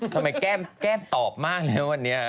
ทำไมแก้มตอบมากเลยวันนี้